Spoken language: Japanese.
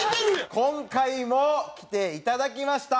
今回も来て頂きました。